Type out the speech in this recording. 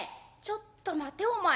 「ちょっと待てお前。